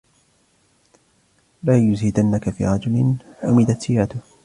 لَا يُزْهِدَنَّكَ فِي رَجُلٍ حُمِدَتْ سِيرَتَهُ